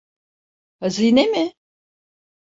Hazine mi?